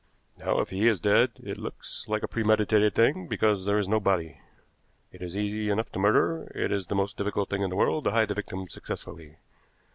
Now, if he is dead, it looks like a premeditated thing, because there is no body. It is easy enough to murder; it is the most difficult thing in the world to hide the victim successfully.